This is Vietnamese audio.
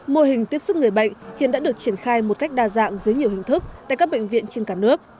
mô hình tiếp xúc người bệnh hiện đã được triển khai một cách đa dạng dưới nhiều hình thức tại các bệnh viện trên cả nước